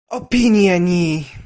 o pini e ni!